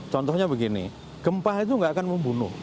contohnya begini gempa itu tidak akan membunuh